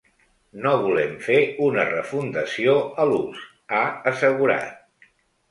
No volem fer una refundació a l’ús, ha assegurat.